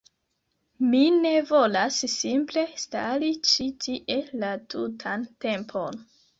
Mi ne volas simple stari ĉi tie la tutan tempon.